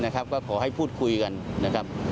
ก็ขอให้พูดคุยกันนะครับ